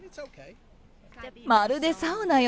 まるでサウナよ。